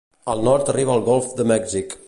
Al nord arriba al golf de Mèxic.